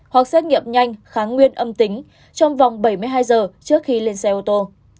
hoặc xét nghiệm nhanh kháng nguyên âm tính trong vòng bảy mươi hai giờ trước khi lên xe ô tô